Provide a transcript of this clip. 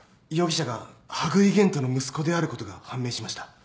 容疑者が羽喰玄斗の息子であることが判明しました。